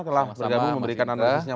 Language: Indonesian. telah bergabung memberikan analisisnya